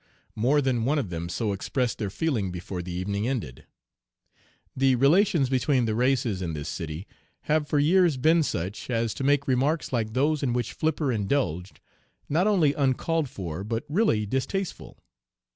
More than one of them so expressed their feeling before The evening ended. The relations between the races in this city have for years been such as to make remarks like those in which Flipper indulged not only uncalled for, but really distasteful.